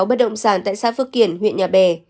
với một mươi sáu bất động sản tại xã phước kiển huyện nhà bè